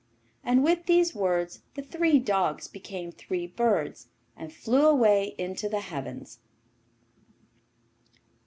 And with these words the three dogs became three birds and flew away into the heavens.